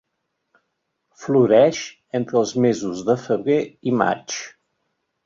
Floreix entre els mesos de febrer i maig.